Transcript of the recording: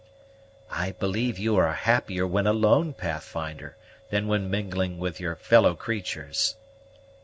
"I believe you are happier when alone, Pathfinder, than when mingling with your fellow creatures."